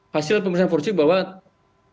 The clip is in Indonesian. hasil pemerintahan forensik bahwa kerangka